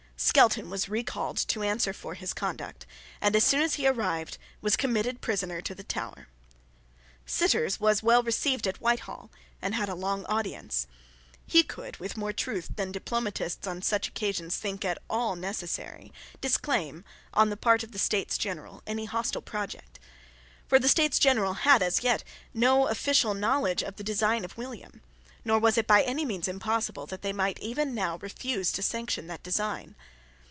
Skelton was recalled to answer for his conduct, and, as soon as he arrived, was committed prisoner to the Tower. Citters was well received at Whitehall, and had a long audience. He could, with more truth than diplomatists on such occasions think at all necessary, disclaim, on the part of the States General, any hostile project. For the States General had, as yet, no official knowledge of the design of William; nor was it by any means impossible that they might, even now, refuse to sanction that design.